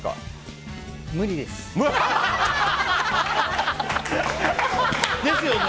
無理です。ですよね。